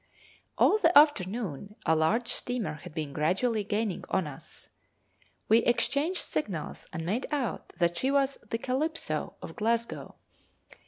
All the afternoon a large steamer had been gradually gaining on us. We exchanged signals and made out that she was the 'Calypso' (?) of Glasgow.